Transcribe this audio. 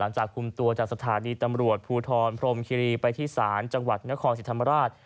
สถานีตำรวจภูทรพรมคิรีไปที่สารจังหวัดนครสีธรรมราช